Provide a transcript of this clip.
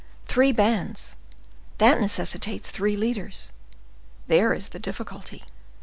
Three bands—that necessitates three leaders; there is the difficulty.